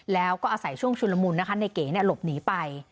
แล้วก็อาศัยช่วงชุนละมุนนะคะในเก๋หลบหนีไป